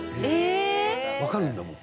わかるんだもう。